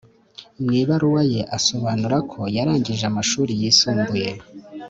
Mu ibaruwa ye asobanura ko yarangije amashuri yisumbuye